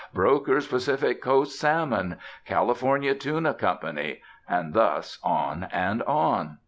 "Brokers Pacific Coast Salmon," "California Tuna Co.," and thus on and on.